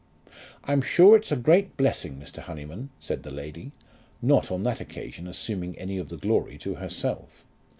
"I'm sure it's a great blessing, Mr. Honyman," said the lady, not on that occasion assuming any of the glory to herself.